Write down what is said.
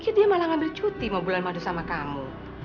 dia malah ngambil cuti mau bulan madu sama kamu